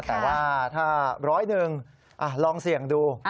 แต่ว่าถ้าร้อยหนึ่งลองเสี่ยงดู